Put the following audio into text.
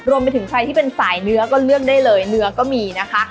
รวมไปถึงใครที่เป็นสายเนื้อก็เลือกได้เลยเนื้อก็มีนะคะ